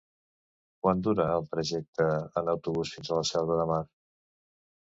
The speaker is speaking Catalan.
Quant dura el trajecte en autobús fins a la Selva de Mar?